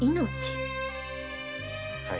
はい。